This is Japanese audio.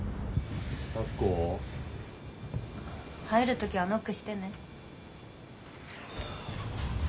入る時はノックしてね。